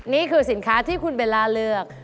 นี่คือสินค้าที่คุณเบลล่าเลือก